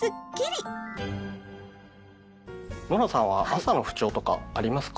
ノラさんは朝の不調とかありますか？